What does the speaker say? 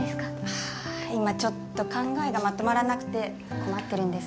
ああ今ちょっと考えがまとまらなくて困ってるんです